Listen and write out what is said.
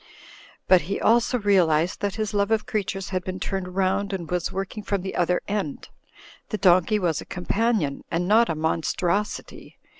But he also realised that his love of creatures had been turned round and was working from the other end. The donkey was a companion, and not a mon strosity.